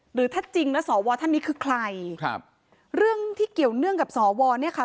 หรือถ้าจริงแล้วสวท่านนี้คือใครครับเรื่องที่เกี่ยวเนื่องกับสอวอเนี่ยค่ะ